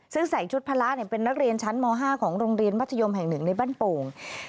ซึ่งใส่ชุดพละเป็นนักเรียนชั้นม๕ของโรงเรียนมัธยมแห่ง๑ในบ้านโป่ง